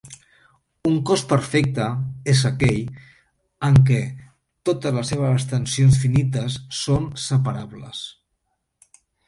Un cos perfecte és aquell en què totes les seves extensions finites són separables.